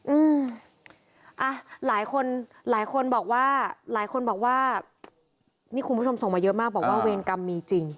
อืมอ่ะหลายคนบอกว่านี่คุณผู้ชมส่งมาเยอะมากบอกว่าเวรกรรมมีจริง